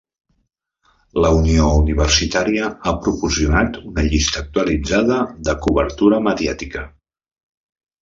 La Unió Universitària ha proporcionat una llista actualitzada de cobertura mediàtica.